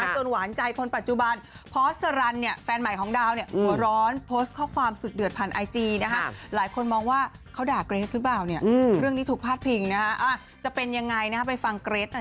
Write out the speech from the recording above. จนหวานใจคนปัจจุบันเพราะสรรรค์เฟนใหม่ของดาวร้อนโพสต์ข้อความสุดเดือบผ่านสน